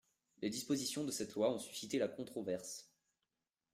Les dispositions de cette loi ont suscité la controverse.